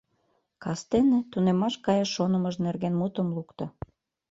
Кастене тунемаш каяш шонымыж нерген мутым лукто.